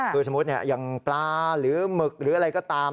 คือสมมุติอย่างปลาหรือหมึกหรืออะไรก็ตาม